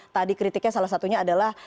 tadi kritiknya salah satunya adalah